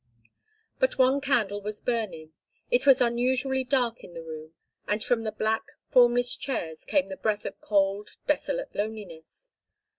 But one candle was burning—it was unusually dark in the room, and from the black, formless chairs came the breath of cold, desolate loneliness.